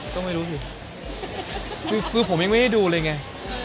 ก็ไม่รู้สิคือผมยังไม่ได้ดูเลยไง